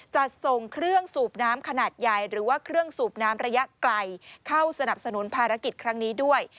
จัดส่งเครื่องสูบน้ำขนาดใหญ่หรือว่าเครื่องสูบน้ำระยะไกลเข้าสนับสนุนภารกิจครั้งนี้ด้วย